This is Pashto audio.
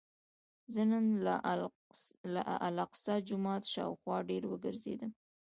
زه نن د الاقصی جومات شاوخوا ډېر وګرځېدم.